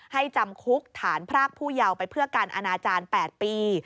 จำคุกฐานพรากผู้เยาว์ไปเพื่อการอนาจารย์๘ปี